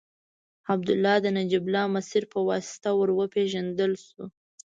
عبدالله د نجیب الله مسیر په واسطه ور وپېژندل شو.